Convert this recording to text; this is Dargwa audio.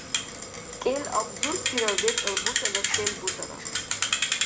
кӀел абзурсира вецӀал бутӀала шел бутӀара